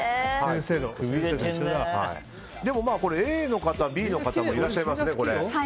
Ａの方もＢの方もいらっしゃいますね。